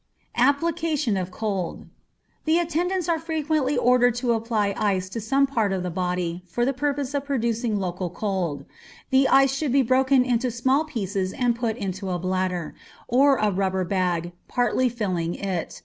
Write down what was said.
Application of Cold. The attendants are frequently ordered to apply ice to some part of the body, for the purpose of producing local cold. The ice should be broken into small pieces and put into a bladder, or rubber bag, partly filling it.